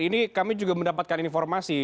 ini kami juga mendapatkan informasi